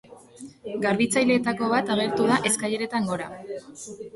Garbitzaileetako bat agertu da eskaileretan gora.